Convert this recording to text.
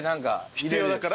必要だから。